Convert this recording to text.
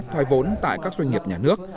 thoái vốn tại các doanh nghiệp nhà nước